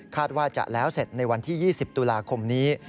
ว่าจะแล้วเสร็จในวันที่๒๐ตุลาคมนี้